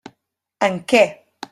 En què?